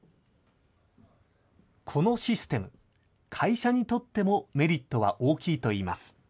このシステム、会社にとってもメリットは大きいといいます。